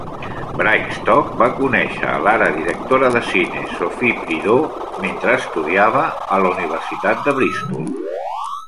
Brigstocke va conèixer a l'ara directora de cine Sophie Prideaux mentre estudiava a la Universitat de Bristol.